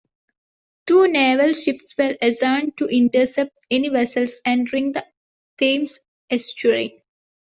Two naval ships were assigned to intercept any vessels entering the Thames estuary.